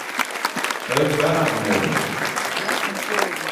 Bara ye môr.